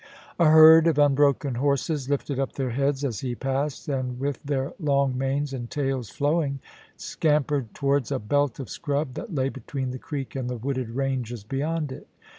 A herd of unbroken horses lifted up their heads as he passed, and with their long manes and tails flowing, scam pered towards a belt of scrub that lay between the creek and the wooded ranges beyond it.